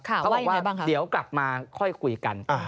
ข่าวไว้อย่างไรบ้างครับเขาบอกว่าเดี๋ยวกลับมาค่อยคุยกัน